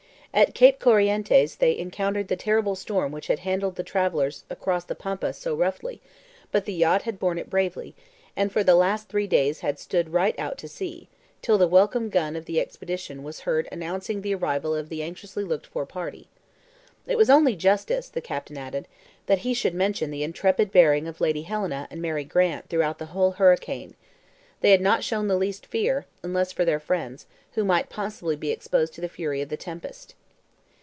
At Cape Corrientes they encountered the terrible storm which had handled the travelers across the pampas so roughly, but the yacht had borne it bravely, and for the last three days had stood right out to sea, till the welcome signal gun of the expedition was heard announcing the arrival of the anxiously looked for party. "It was only justice," the captain added, "that he should mention the intrepid bearing of Lady Helena and Mary Grant throughout the whole hurricane. They had not shown the least fear, unless for their friends, who might possibly be exposed to the fury of the tempest."